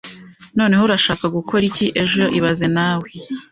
Noneho, urashaka gukora iki ejo ibaze nawe